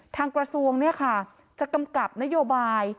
ทางกระทรวงจะกำกับนโยบาย